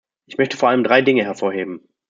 Ich möchte vor allem drei Dinge hervorheben.